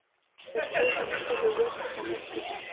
پښتو زموږ د هویت سند دی.